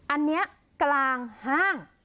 อันนี้กลางห้าง